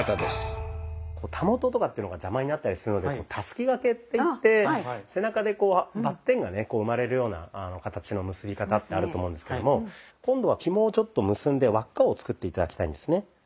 たもととかっていうのが邪魔になったりするのでたすき掛けっていって背中でバッテンがね生まれるような形の結び方ってあると思うんですけども今度はひもをちょっと結んで輪っかを作って頂きたいんですね。